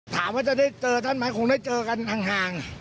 ถามว่าจะได้เจอท่านไหมคงได้เจอกันห่าง